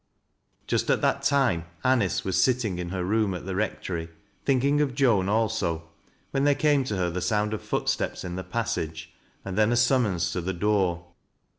Just at that time Anice was sitting in her room at the rectory, thinking of Joan also, when there came to her the sound of footsteps in the passage and then a summona tc the door.